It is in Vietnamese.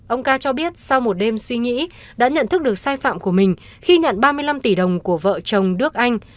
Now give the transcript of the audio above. ông ca cho biết sau một đêm suy nghĩ đã nhận thức được sai phạm của mình khi nhận ba mươi năm tỷ đồng của vợ chồng đức anh